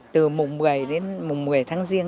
từ mùng một mươi tháng riêng